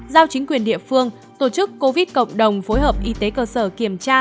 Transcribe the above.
giao chính quyền địa phương tổ chức covid cộng đồng phối hợp y tế cơ sở kiểm tra